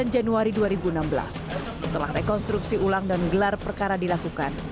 dua puluh januari dua ribu enam belas setelah rekonstruksi ulang dan gelar perkara dilakukan